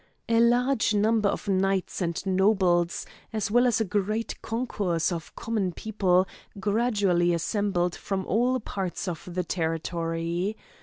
A large number of knights and nobles, as well as a great concourse of common people gradually assembled from all parts of the territory.